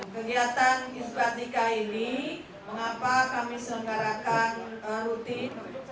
kegiatan isbat nikah ini mengapa kami selenggarakan rutin